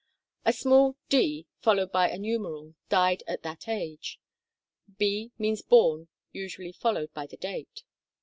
A small d. followed by a numeral means died at that age ; b. means born, usually followed by the date.